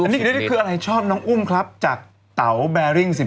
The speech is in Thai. อ๋อตั๋วด้วยกันไง